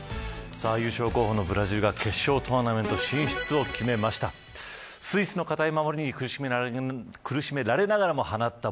優勝候補のブラジルが決勝トーナメント進出を決めました。